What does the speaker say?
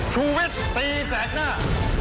ชูเวทตีแสดหน้า